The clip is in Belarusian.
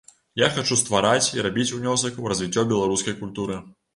Я хачу ствараць і рабіць унёсак у развіццё беларускай культуры.